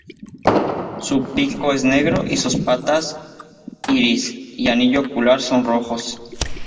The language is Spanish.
Su pico es negro y sus patas, iris y anillo ocular son rojos.